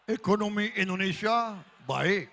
ekonomi indonesia baik